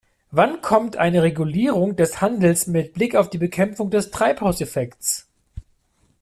Wann kommt eine Regulierung des Handels mit Blick auf die Bekämpfung des Treibhauseffekts?